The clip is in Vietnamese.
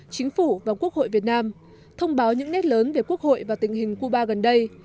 chính phủ và quốc hội việt nam thông báo những nét lớn về quốc hội và tình hình cuba gần đây